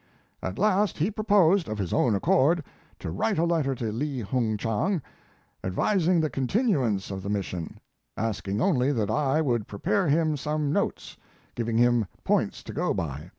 At last he proposed, of his own accord, to write a letter to Li Hung Chang, advising the continuance of the Mission, asking only that I would prepare him some notes, giving him points to go by.